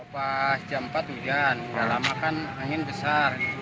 pada jam empat hujan mudah lama kan angin besar